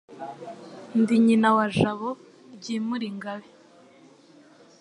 Ndi nyina wa Jabo Ryimura ingabe,